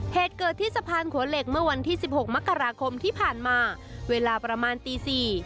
เหตุเกิดที่สะพานขัวเหล็กเมื่อวันที่๑๖มกราคมที่ผ่านมาเวลาประมาณตีสี่